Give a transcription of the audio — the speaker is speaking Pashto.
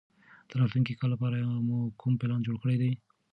د راتلونکي کال لپاره مو کوم پلان جوړ کړی دی؟